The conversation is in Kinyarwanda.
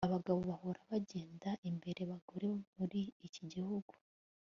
Abagabo bahora bagenda imbere yabagore muri iki gihugu